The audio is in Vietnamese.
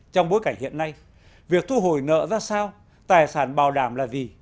trong bối cảnh hiện nay việc thu hồi nợ ra sao tài sản bào đàm là gì